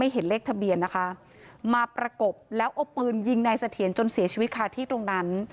เห็นเลขทะเบียนนะคะมาประกบแล้วเอาปืนยิงนายเสถียรจนเสียชีวิตค่ะที่ตรงนั้น